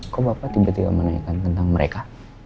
kok bapak tiba tiba menanyakan tentang mereka